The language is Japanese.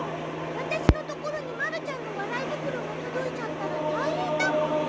私のところにまるちゃんの笑い袋が届いちゃったら大変だもんね。